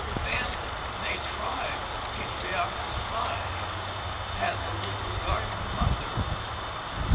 Families nay, tribes of patriarchal size had the little garden mother.